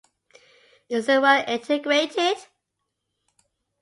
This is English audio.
Is it well integrated?